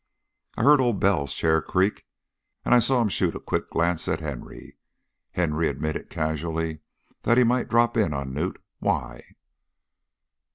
"I heard Old Bell's chair creak and I saw him shoot a quick glance at Henry. Henry admitted, casually, that he might drop in on Knute. Why?"